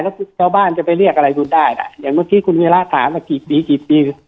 แล้วชาวบ้านจะไปเรียกอะไรคุณได้ล่ะอย่างเมื่อกี้คุณวีระถามมากี่ปีกี่ปี